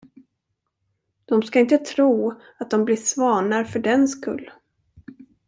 De ska inte tro, att de blir svanar fördenskull.